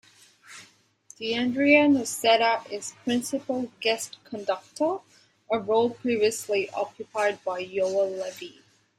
Gianandrea Noseda is Principal Guest Conductor, a role previously occupied by Yoel Levi.